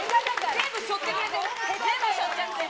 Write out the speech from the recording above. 全部しょってくれてる。